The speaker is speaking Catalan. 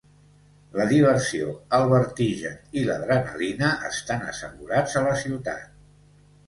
La diversió, el vertigen i l'adrenalina estan assegurats a la ciutat.